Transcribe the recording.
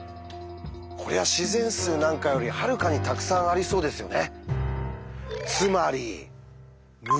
こりゃ自然数なんかよりはるかにたくさんありそうですよね。